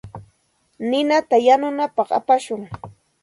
Ninata yanunapaq apashun.